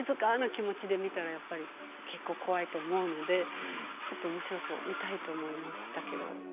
静かな気持ちで見たら結構、怖いと思うのでちょっとおもしろそう見たいと思いました。